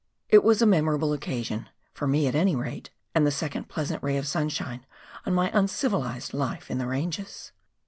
It was a memorable occasion — for me, at any rate — and the second pleasant ray of sunshine on my un civiL'sed life in the ranges.